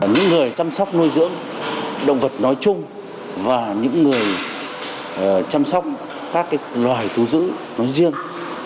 những người chăm sóc nuôi dưỡng động vật nói chung và những người chăm sóc các loài thú giữ riêng